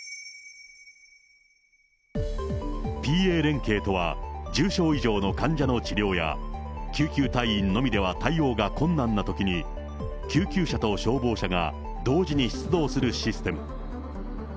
ＰＡ連携とは、重症以上の患者の治療や、救急隊員のみでは対応が困難なときに、救急車と消防車が同時に出動するシステム。